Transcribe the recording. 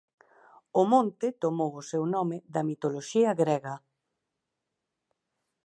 O monte tomou o seu nome da mitoloxía grega.